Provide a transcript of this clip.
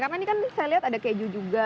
karena ini kan saya lihat ada keju juga